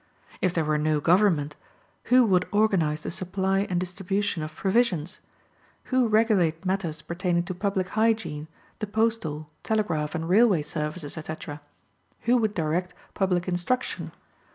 If there were no government, who would organize the supply and distribution of provisions? Who regulate matters pertaining to public hygiene, the postal, telegraph, and railway services, etc.? Who would direct public instruction?